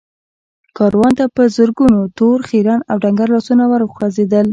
کاروان ته په زرګونو تور، خيرن او ډنګر لاسونه ور وغځېدل.